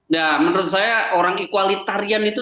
nah menurut saya orang equalitarian itu